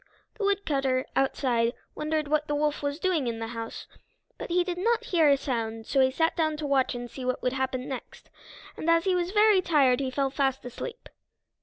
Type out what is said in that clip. The woodcutter, outside, wondered what the wolf was doing in the house, but he did not hear a sound, so he sat down to watch and see what would happen next, and as he was very tired he fell fast asleep.